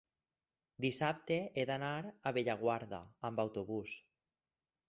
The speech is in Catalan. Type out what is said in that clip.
dissabte he d'anar a Bellaguarda amb autobús.